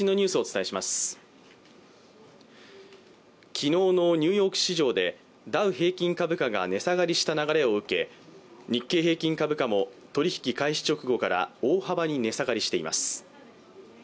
昨日のニューヨーク市場でダウ平均株価が値下がりした流れを受け、日経平均株価も取引開始直後から大幅に値下がりしています。